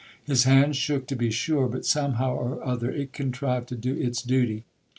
His hand shook, to be sure ; but somehow or other it contrived to do its duty.